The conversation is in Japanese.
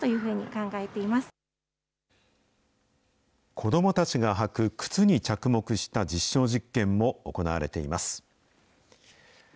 子どもたちが履く靴に着目した実証実験も行われています。